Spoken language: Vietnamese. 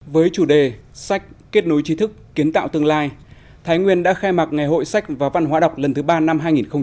với chủ đề sách kết nối trí thức kiến tạo tương lai thái nguyên đã khai mạc ngày hội sách và văn hóa đọc lần thứ ba năm hai nghìn hai mươi